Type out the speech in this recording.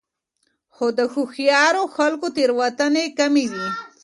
خو د هوښیارو خلکو تېروتنې کمې وي.